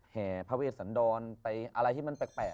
แห่พระเวชสันดรไปอะไรที่มันแปลก